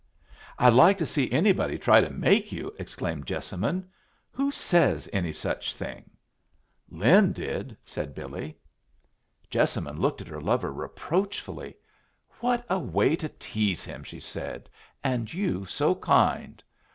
"I'd like to see anybody try to make you?" exclaimed Jessamine. "Who says any such thing?" "Lin did," said Billy. Jessamine looked at her lover reproachfully. "What a way to tease him!" she said. "And you so kind.